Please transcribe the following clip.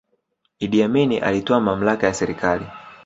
iddi amini alitwaa mamlaka ya serikali